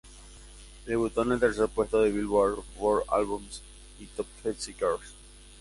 Debutó en el tercer puesto de "Billboard" World Albums y Top Heatseekers.